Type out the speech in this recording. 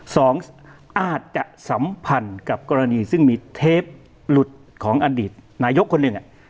สองอาจจะสัมพันธ์กับกรณีซึ่งมีเทปหลุดของอดีตนายกคนหนึ่ง